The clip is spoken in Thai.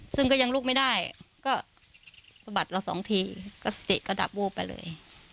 ซึ่งก็ยังลุกไม่ได้ก็สะบัดเราสองทีก็สติก็ดับวูบไปเลย